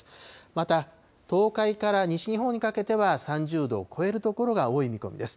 また、東海から西日本にかけては、３０度を超える所が多い見込みです。